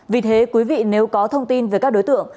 vì thế quý vị nếu có thông tin về các đối tượng